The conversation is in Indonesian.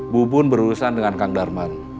bubun berurusan dengan kang darman